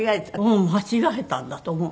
うん間違えたんだと思う。